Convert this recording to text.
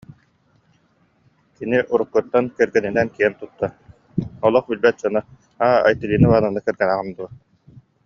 Кини уруккуттан кэргэнинэн киэн туттар, олох билбэт дьоно: «Аа, Айталина Ивановна кэргэнэҕин дуо